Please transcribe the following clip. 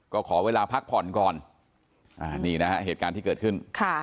ก็ขอเวลาพักผ่อนก่อนนี่นะฮะเหตุการณ์ที่เกิดขึ้น